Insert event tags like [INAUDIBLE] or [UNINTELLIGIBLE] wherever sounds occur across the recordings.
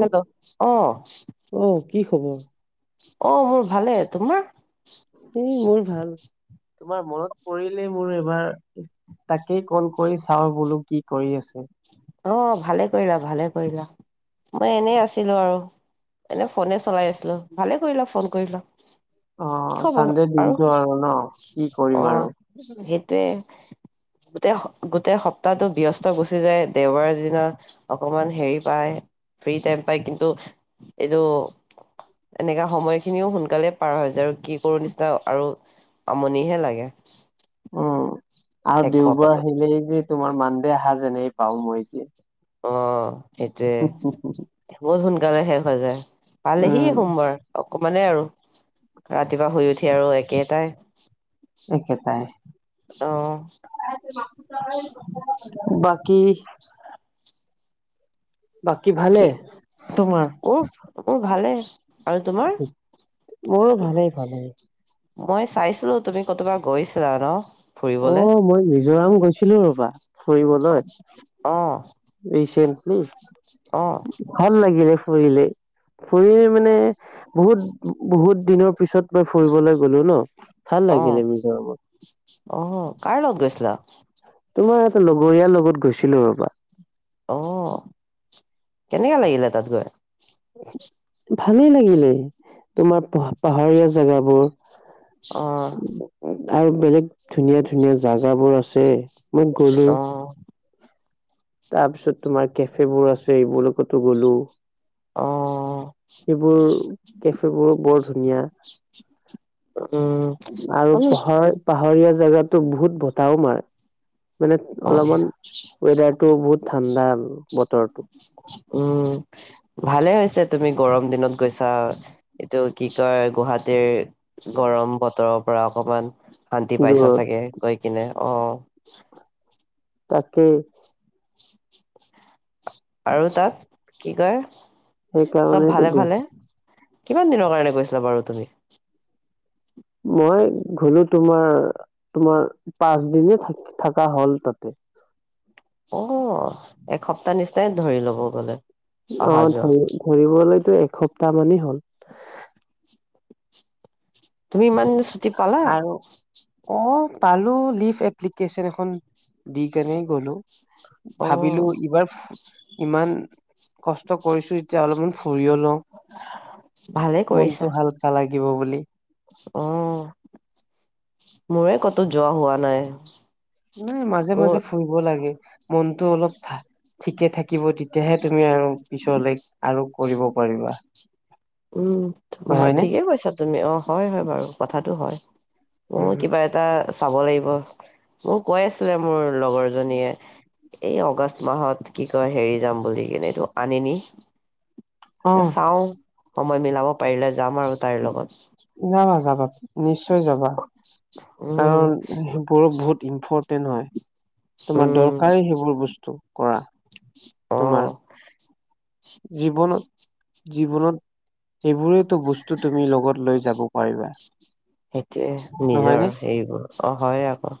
Hello, অ'। অ', কি খবৰ? অ', মোৰ ভালে। তোমাৰ? এ, মোৰ ভাল তোমাৰ মনত পৰিলে মোৰ এবাৰ [UNINTELLIGIBLE] তাকেই কল কৰি চাওঁ বোলো কি কৰি আছে। অ', ভালে কৰিলা ভালে কৰিলা মই এনেই আছিলোঁ আৰু। এনে ফ'নে চলাই আছিলোঁ ভালে কৰিলা ফোন কৰিলা। অ কি খবৰ চানডে আৰু? দিনটো ন কি কৰিম আৰু অ'। সেটোয়ে গোটেই স গোটেই সপ্তাহটো ব্যস্ত গুচি যায় দেওবাৰৰ দিনা অকমান হেৰি পায় ফ্ৰী টাইম পায় কিন্তু এইটো- এনেকা সময়খিনিও সোনকালে পাৰ হৈ যায়, আৰু কি কৰো নিচিনা আৰু- আমনি হে লাগে। উমঁ, আৰু শেষ হোৱাৰ দেউবাৰ পাছত সেইদিনা যে তোমাৰ মান দে আহা জেনেই পাওঁ মই যে। অঁহ', -সেইটোৱে, বহুত সোনকালে শেষ হৈ যায়। পালেহি উম সোমবাৰ অকণমানে আৰু, ৰাতিপুৱা শুই উঠি আৰু একেটাই। একেটাই। অঁ। বাকী'- বাকী' ভালে কি তোমাৰ? মোৰ ভালে। আৰু তোমাৰ? মোৰো ভালেই ভালেই মই চাইছিলো তুমি কৰ'বাত গৈছিলা ন? অ', ফুৰিবলে -মই মিজোৰাম গৈছিলোঁ ৰ'বা ফুৰিবলৈ। অঁহ। ভাল লাগিলে ফুৰিলে ফুৰি মানে বহুত-বহুত দিনৰ পিছত মই ফুৰিবলৈ গলোঁ ন। ভাল অ লাগিলে অ কাৰ লগত মিজোৰামত। গৈছিলা তোমাৰ এটা লগৰীয়াৰ লগত গৈছিলোঁ ৰ'বা। অহ', কেনেকে লাগিলে তা'ত গৈ? ভালেই লাগিলে, তোমাৰ প-পাহাৰীয়া জেগাবোৰ। অঁহ। আৰু বেলেগ ধুনীয়া-ধুনীয়া জেগাবোৰ আছে মই গ'লো। অ তাৰ পিছত তোমাৰ কেফে বোৰ আছে এইবোৰ লগতো গ'লো। অ সেইবোৰ কেফেবোৰো বৰ ধুনীয়া। উম আৰু উম পাহৰ- পাহাৰীয়া জেগাতো বহুত বতাহও মাৰে, মানে অ অলপমান- জেগাটো বহুত ঠাণ্ডা বতৰটো। উমঁ, ভালে হৈছে তুমি গৰম দিনত গৈছা। এইটো- কি কয় গুৱাহাটীৰ গৰম বতৰৰ পৰা অকণমান- শান্তি পাইছা দূৰত, চাগে গৈ কিনে অঁহ',। তাকে। আৰু তা'ত কি কয় চব সেইকাৰণেতো গৈছো। ভালে-ভালে। কিমান দিনৰ কাৰণে গৈছিলা বাৰু তুমি? মই গ'লো তোমাৰ, তোমাৰ পাঁচ দিনে থকা হ'ল তা'তে। অ', এসপ্তাহ নিচিনাই ধৰি ল'ব গ'লে। অহা অঁ', যোৱা ধৰি-ধৰিবলৈতো এসপ্তাহ মানেই হ'ল। তুমি ইমান ছুটি পালা? অঁ', -পালো, লিভ এপ্লিকেশচন এখন দি কেনে গ'লো। অ ভাবিলো এইবাৰ ইমান কষ্ট কৰিছো- যে অলপমান ফুৰিয়ে লওঁ ভালে মনটো ভাল লাগিব বুলি। অঁহ', মোৰে ক'তো যোৱা হোৱা নাই। উমঁ, মোৰ মাজে-মাজে ফুৰিব লাগে, মনটো অলপ- ঠিকে থাকিব তেতিয়াহে তুমি আৰু পিছলৈ আৰু কৰিব পাৰিবা। উমঁ, নহয় বাৰু নে? ঠিকে কৈছা তুমি, অঁ', -হয়-হয় বাৰু কথাটো হয়। উম অঁ', -কিবা এ- এটা চাব লাগিব, মোক কৈ আছিলে মোৰ লগৰজনীয়ে। এই অগষ্ট মাহত কি কয় হেৰি যাম বুলি কিনে এইটো আনিনি। অ এ, চাওঁ সময় মিলাব পাৰিলে যাম আৰু তাইৰ লগত। যাবা যাবা, নিশ্চয় যাবা উম কাৰণ [UNINTELLIGIBLE] বহুত ইম্পৰ্টেণ্ট হয়। তোমাৰ উম দৰকাৰী সেইবোৰ বস্তু কৰা অ তোমাৰ। জীৱনত জীৱনত এইবোৰেতো বস্তু তুমি লগত লৈ যাব পাৰিবা। সেইটোৱে নিজৰ। নহয়নে সেইবোৰ অ' হয় আকৌ,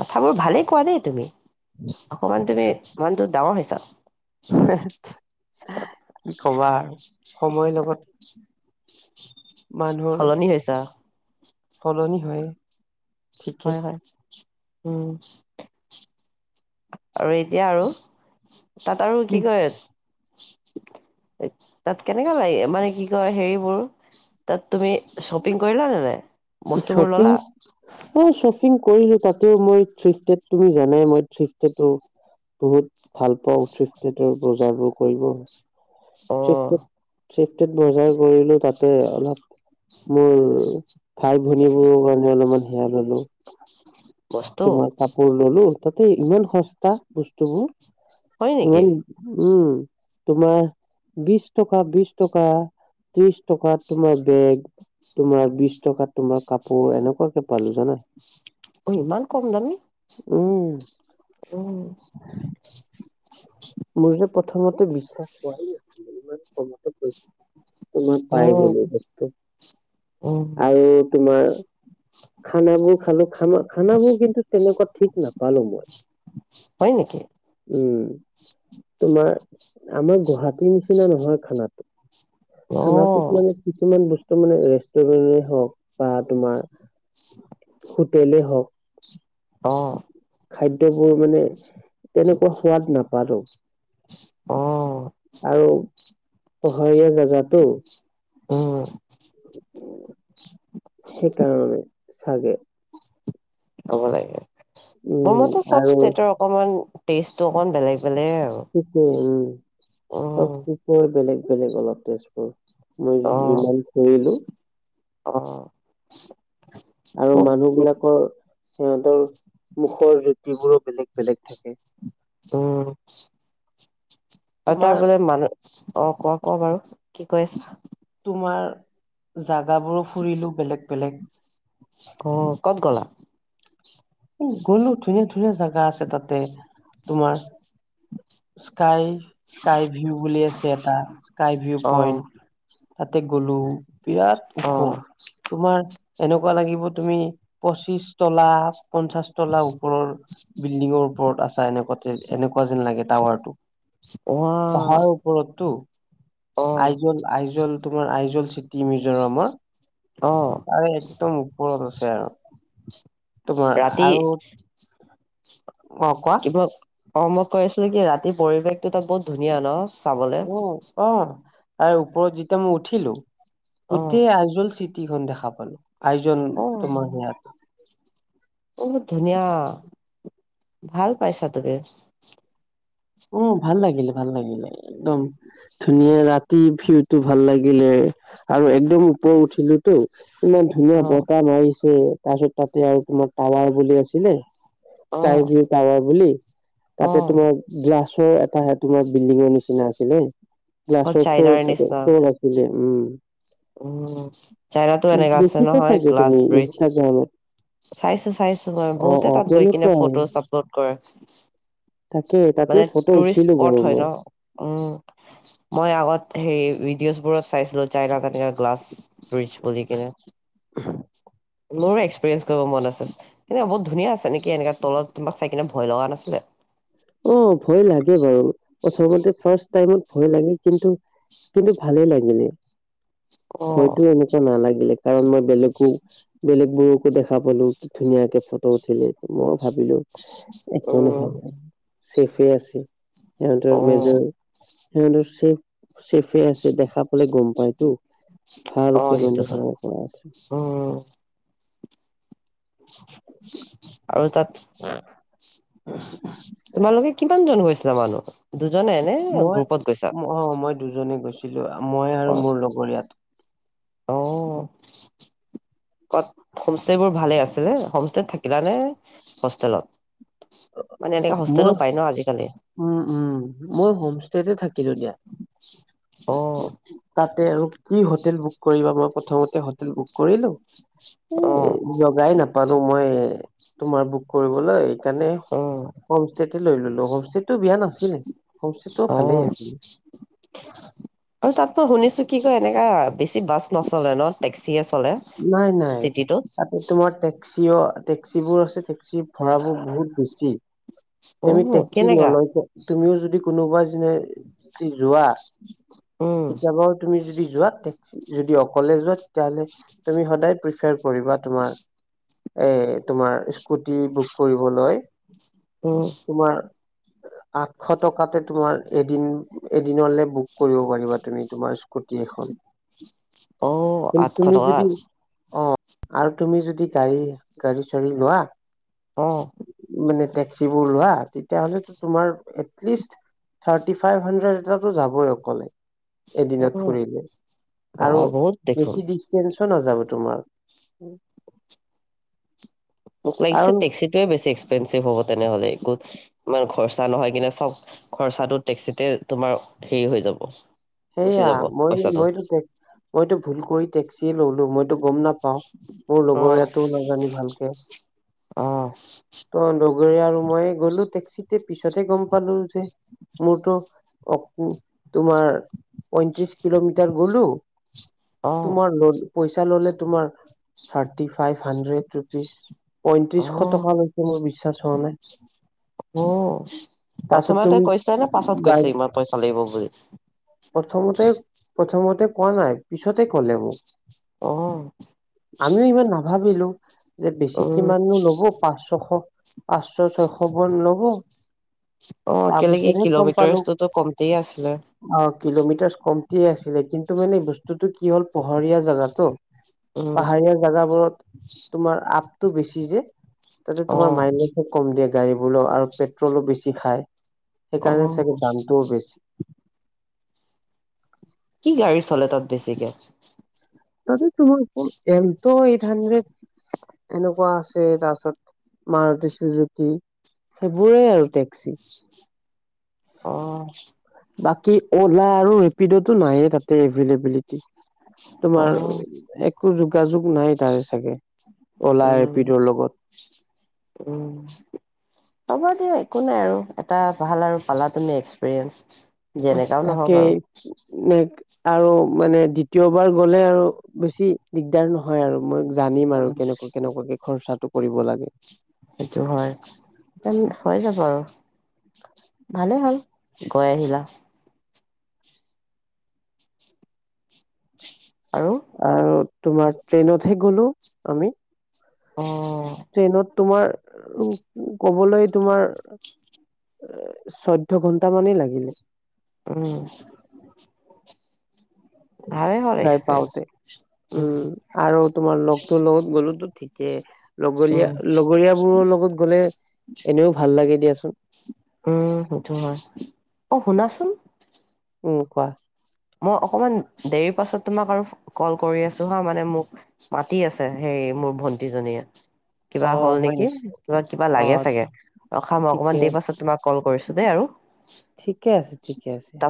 কথাবোৰ ভালেই কোৱা দেই তুমি। অকমান তুমি মানুহটো ডাঙৰ হৈছা। কি ক'বা আৰু সময় লগত মানুহৰ সলনি হৈছা সলনি হয়ে। হয় হয়। উম। আৰু এতিয়া আৰু? তাত আৰু কি কৈ আছ তাত কেনেকা লাগে মানে কি কয় হেৰিবোৰ। তাত তুমি শ্বপিং কৰিলা নে নাই? বস্তুবোৰ শ্বপিং ললা মই শ্বপিং কৰিলোঁ তাতেও মই থ্ৰিফট্ৰেড তুমি জানাই মই থ্ৰিফট্ৰেডো বহুত ভাল পাওঁ থ্ৰিফট্ৰেডৰ বজাৰবোৰ কৰিব। অ থ্ৰিফট্ৰেড থ্ৰিফট্ৰেডত বজাৰ কৰিলোঁ তাতে অলপ মোৰ ভাই ভনীবোৰৰ কাৰণে অলপমান সেয়া ল'লোঁ। [INAUDIBLE] তোমাৰ কাপোৰ ল'লোঁ, তাতে ইমান সস্তা হয় বস্তুবোৰ নেকি ইমান উম, তোমাৰ বিশ টকা, বিশ টকা ত্ৰিশ টকাত তোমাৰ বেগ, তোমাৰ বিশ টকাত তোমাৰ কাপোৰ এনেকুৱাকে পালোঁ জানা। অই ইমান কম দামী? উম মোৰ যে প্ৰথমতে বিশ্বাস হোৱাই [UNINTELLIGIBLE] তোমাৰ পাই উম গলোঁ বস্তু উম আৰু তোমাৰ খানাবোৰ খালোঁ, খা-খানাবোৰ কিন্তু তেনেকুৱা ঠিক নাপালোঁ মই। হয় নেকি? উম। [INAUDIBLE] তোমাৰ আমাৰ গুৱাহাটীৰ নিচিনা নহয় খানাটো, অ খানাটোত মানে কিছুমান বস্তু মানে ৰেষ্টুৰেণ্টৰে হওক বা তোমাৰ হোটেলে হওক অ'। খাদ্যবোৰ মানে তেনেকুৱা সোৱাদ নাপালোঁ। অ'। আৰু পহাৰীয়া জাগাটো উম। সেইকাৰণে চাগে। হ'ব লাগে। উম মোৰ মতে চব আৰু ষ্টেটৰ অকমান টেষ্টটো অকমান বেলেগ বেলেগ আৰু। সেইটোৱে উম। চব উম [UNINTELLIGIBLE] বেলেগ বেলেগ অলপ টেষ্টবোৰ। মই অ যিমান ঘূৰিলো অ' আৰু মোক মানুহ বিলাকৰ, সিহঁতৰ মুখৰ জুতিবোৰো বেলেগ বেলেগ থাকে উম, আৰু তোমাৰ তাৰোপৰা মানুহ অ, কোৱা কোৱা বাৰু, কি কৈ আছা তোমাৰ জাগাবোৰো ফুৰিলো বেলেগ বেলেগ অ', ক'ত গলা? গ'লো, ধুনীয়া ধুনীয়া জাগা আছে তাতে, তোমাৰ স্কাই, স্কাই ভিউ বুলি আছে এটা, স্কাই ভিউ অ পইণ্ট তাতে গ'লো, বিৰাট অ ওখ! তোমাৰ এনেকুৱা লাগিব, তুমি পঁচিশ তলাত পঞ্চাশ তলা ওপৰৰ বিল্ডিঙৰ ওপৰত আছা এনেকুৱা তে, এনেকুৱা যেন লাগে টাৱাৰটো ৱা পাহাৰৰ ওপৰততো, অ আইজল আইজল তোমাৰ আইজল চিটি মিজোৰামৰ অ তাৰে একদম ওপৰত আছে আৰু। তোমাৰ ৰাতি আৰু অ কোৱা কিবা অ, মই কৈ আছিলো কি ৰাতিৰ পৰিৱেশটো তাত বহুত ধুনীয়া ন! চাবলে অ', অ, তাৰ ওপৰত যেতিয়া মই উঠিলো, অ গোটেই আইজল চিট টি খন দেখা পালো, আইজল, অ তোমাৰ সেয়াত বহুত ধুনীয়া, ভাল পাইছা তুমি। উম, ভাল লাগিলে ভাল লাগিলে, একদম ধুনীয়া, ৰাতিৰ ভিউটো ভাল লাগিলে, আৰু একদম ওপৰত উঠিলো তো, ইমান ধুনীয়া অ বতাহ মাৰিছে, তাৰপিছত তাতে আৰু তোমাৰ টাৱাৰ বলি আছিলে অ স্কাই ভিউ টাৱাৰ বুলি, অ তাতে তোমাৰ গ্লাছৰ এটা তোমাৰ বিল্ডিঙৰ নিচিনা আছিলে, অ গ্লাছৰ চ চাইনাৰ থাকে নিচিনা [UNINTELLIGIBLE] উম। উম, চাইনাটো এনেকা আছে দেখিছা নহয়, চাগে গ্লাছ তুমি ব্ৰিজ। ইনষ্টাগ্ৰামত। চাইছো চাইছো মই, অ', বহুতে অ', তাত গৈ কিনে তেনেকুৱাই। ফটোজ আপলোড কৰে। তাকে তাতেও মানে ফটো টুৰিষ্ট উঠিলো স্পট বাৰু হয় ন। মই। উম, মই আগত হেৰি ভিডিঅছ বোৰত চাইছিলো চাইনা [UNINTELLIGIBLE] গ্লাছ [UNINTELLIGIBLE] কেনে, মোৰো এক্সপিৰিয়েঞ্চ কৰিব মন আছে। কেনেকুৱা বহুত ধুনীয়া আছে নেকি এনেকা তলত কোনোবাই চাইকিনে ভয় লগা নাছিলে? উম, ভয় লাগে বাৰু। প্ৰথমতে ফাৰ্ষ্ট টাইমত ভয় লাগে কিন্তু, কিন্তু ভালেই লাগিলে। অ', ভয়টো এনেক কে নালাগিলে, কাৰণ মই বেলেগো, বেলেগ বোৰকো দেখা পালো, কি ধুনীয়াকে ফটো উঠিলে। মই ভাবিলো, একো উম, নহয়, চেফে আছে। সিহঁতৰ অ', মেজৰ, সিহঁতৰ চেফ চেফে আছে দেখা পালে গম পাইতো, ভালকে সেইটো মানে হয়। সেৱাই কৰা আছে। অ' আৰু তাত তোমালোকে কিমান জন গৈছিলা মানুহ, দুজনে? নে মই, গ্ৰুপত গৈছা? অ' মই দুজনে গৈছিলো, মই আৰু অ', মোৰ লগৰীয়াটো। অ' ক'ত, হোম ষ্টে বোৰ ভালে আছেনে, হুমস্তেত থাকিলা নে হোষ্টেলত? মানে এনেকােৱা অহ হোষ্টেলো মই পায় ন আজিকালি। উম, উম, মই হোমষ্টেতে থাকিলো দিয়া। অ তাতে আৰু কি হোটেল বুক কৰিবা, মই প্ৰথমতে হোটেল বুক কৰিলো, অ এ জগাই নাপালো মই তোমাৰ বুক কৰিবলৈ সেইকাৰণে উম। হোমষ্টেতে লৈ ল'লো, হোমষ্টেতে বেয়া নাছিলে, হোমষ্টেটো অ ভালেই আছিল। আৰু তাত মই শুনিছো কি কয় এনেকা বেছি বাছ নচলে ন, টেক্সিয়ে চলে। নাই নাই, চিটিটোত তাতে তোমাৰ টেক্সিও টেক্সিবোৰ আছে টেক্সিৰ ভৰাবোৰ বহুত বেছি, অ তুমি টেক্সি কেনেকা নলকে তুমিও যদি কোনোবা যেনে যদি যোৱা, উম কেতিয়াবাও তুমি যদি যোৱা টেক্সি যদি অকলে যোৱা তেতিয়াহ'লে তুমি সদায় প্ৰিফাৰ কৰিবা তোমাৰ এ তোমাৰ স্কুটি বুক কৰিবলৈ। উম। তোমাৰ আঠশ টকাতে তোমাৰ এদিন, এদিনলে বুক কৰিব পাৰিবা তুমি তোমাৰ কুটি এখন, অ আঠশ কিন্তু তুমি টকাত যদি অ', আৰু তুমি যদি গাড়ী, গাড়ী চাড়ী লোৱা অ'। মানে টেক্সিবোৰ লোৱা, তেতিয়াহ'লে টো তোমাৰ এটলিষ্ট থাৰ্টি ফাইভ হাণ্ড্ৰেড এটাতো যাবই অকলে। অ এদিনত ফুৰিলে বা আৰু বহুত দেখোন বেছি দি [UNINTELLIGIBLE] নাযাব তোমাৰ। মোক লাগিছে কাৰণ টেক্সিটোৱে বেছি এক্সপেঞ্চিভ হ'ব তেনেহ'লে একো ইমান খৰচা নহয় কিনে চব খৰচাটো টেক্সিতে তোমাৰ হেৰি হৈ যাব গুচি সেইয়া যাব মই পইচাটো মইতো টে মইতো ভুল কৰি টেক্সিয়ে ললো। মইতো গম নাপাওঁ মোৰ অ লগৰীয়াটোয়েও নাজানে ভালকে। [INAUDIBLE] অ ত' লগৰীয়া আৰু মই গ'লো টেক্সিতে পিছত হে গম পালো যে মোৰটো অক, তোমাৰ পয়ত্ৰিশ কিলোমিটাৰ গ'লো অ', তোমাৰ ল পইচা ল'লে তোমাৰ থাৰ্টি ফাইভ হানড্ৰেড ৰুপিজ। পয়ত্ৰিশ অ', টকা লৈ মোৰ বিশ্বাস হোৱা নাই। অ', তাৰপিছত প্ৰথমতে তুমি কৈছে নে পাছত বাই কৈছে ইমান পইচা লাগিব বুলি? প্ৰথমতে, প্ৰথমতে কোৱা নাই, পিছতে ক'লে মোক। অ'। আমিও ইমান নাভাবিলো যে বেছি উম, কিমান নো ল'ব পাঁচ ছশ পাঁচশ ছয়শ মান ল'ব অ', কেলে কি তাৰপিছতহে গম পালোঁ। কিলোমিটাৰটোতো [UNINTELLIGIBLE] অ' কিলোমিটাৰছ কমটিয়ে আছিলে, কিন্তু মানে বস্তুটো কি হ'ল পহৰীয়া জেগাটো উম, পাহাৰীয়া জাগাবোৰত তোমাৰ আপটো বেছি যে। তাতে তোমাৰ অ', মাইলেজো কম দিয়ে গাড়ীবোৰ ন আৰু পে'ট্ৰলো বেছি খায়। সেইকাৰণে অ', চাগে দামটোও বেছি। কি গাড়ী চলে তাত বেছিকে? তাতে তোমাৰটো এলটো এইটহান্ড্ৰড এনেকুৱা আছে, তাৰ পিছত মাৰুতি চুজুকি সেইবোৰেই আৰু টেক্সি। অ। বাকী, অ'লা আৰু ৰেপিডোটো ল'লেই তাতে এভেইলেবিলিটি। তোমাৰ অ', এক একো যোগাযোগ নাই তাৰ চাগে, অ'লা উম, ৰেপিডৰ লগত। উম। হ'ব দিয়া একো নাই আৰু, এটা ভাল আৰু পালা তুমি এক্সপেৰিয়েঞ্চ, যেনেকুৱাও নহওক তাকে আৰু। নে আৰু মানে দ্বিতীয়বাৰ গ'লে আৰু বেছি দিগদাৰ নহয় আৰু, মই জানিম আৰু উম, কেনেকুৱা-কেনেকুৱাকে খৰচাটো কৰিব লাগে। সেইটো হয়, সেই হয় যাব আৰু। ভালে হ'ল, গৈ আহিলা। আৰু! আৰু তোমাৰ ট্ৰেইনতহে গ'লো আমি, অ', ট্ৰেইনত তোমাৰ, ক'বলৈ তোমাৰ চৈধ্য ঘন্টা মানেই লাগিলে। উম। ভালেই হ'ল যাই এক্সপিৰিয়েঞ্চ পাওঁতে, উম, আৰু তোমাৰ লগটো লগত গ'লোতো ঠিকেই, উম, লগৰীয়া-লগৰীয়া বোৰৰ লগত গ'লে এনেও ভাল লাগে, দিয়াচোন। উম, সেইটো হয়, অ শুনাচোন। উম, কোৱা? মই অকমান দেৰি পাছত তোমাক আৰু কল কৰি আছো হা, মানে মোক মাতি আছে, সেই মোৰ ভন্টিজনীয়ে। কিবা অ হ'ল হয় নেকি, কিবা-কিবা অ লাগে চাগে, ৰখা, মই অকমান ঠিকে দেৰি পাছত তোমাক কল কৰিছোঁ, দেই আৰু। ঠিকে আছে, ঠিকে আছে।